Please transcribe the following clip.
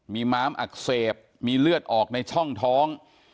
มีม้ามอักเสบมีเลือดออกในช่องท้อง